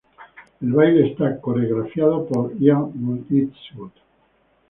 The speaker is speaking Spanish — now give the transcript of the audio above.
El baile está coreografiado por Ian Eastwood.